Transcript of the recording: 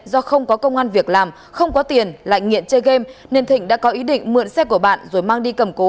do không có công an việc làm không có tiền lại nghiện chơi game nên thịnh đã có ý định mượn xe của bạn rồi mang đi cầm cố